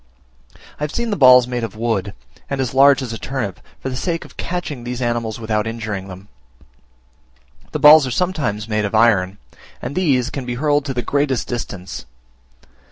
I have seen the balls made of wood, and as large as a turnip, for the sake of catching these animals without injuring them. The balls are sometimes made of iron, and these can be hurled to the greatest distance.